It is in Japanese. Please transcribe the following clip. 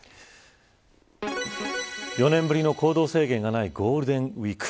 ４年ぶりの行動制限がないゴールデンウイーク。